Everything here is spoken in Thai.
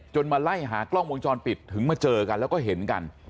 มาไล่หากล้องวงจรปิดถึงมาเจอกันแล้วก็เห็นกัน